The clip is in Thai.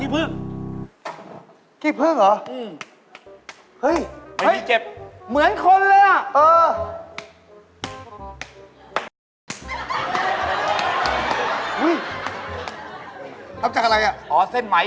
พูดเหรอเสียงอะไร